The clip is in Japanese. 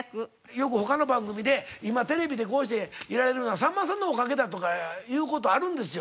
よく他の番組で今テレビでこうしていられるのはさんまさんのおかげだとか言う事あるんですよ。